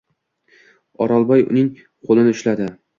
O’rolboy uning qo‘lini ushladi.